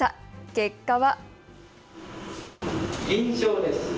結果は。